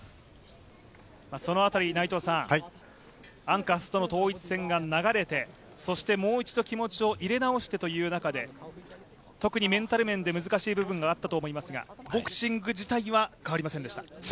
その辺り、アンカハスとの統一戦が流れてそしてもう一度気持ちを入れ直してという中で、特にメンタル面で難しい部分があったと思いますがボクシング自体は変わりませんでした。